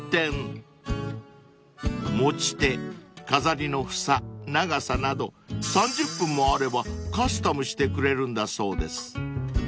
［持ち手飾りの房長さなど３０分もあればカスタムしてくれるんだそうです］